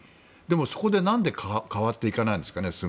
でも、そこで何で変わっていかないんですかね